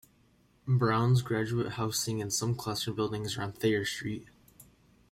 Brown's graduate housing and some classroom buildings are on Thayer Street.